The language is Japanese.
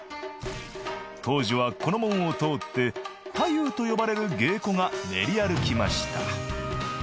当時はこの門を通って太夫と呼ばれる芸妓が練り歩きました。